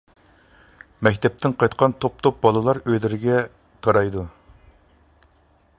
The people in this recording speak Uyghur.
مەكتەپتىن قايتقان توپ-توپ بالىلار ئۆيلىرىگە تارايدۇ.